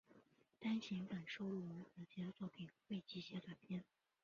单行本收录于合集的作品未集结短篇